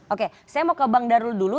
oke saya mau ke bang darul dulu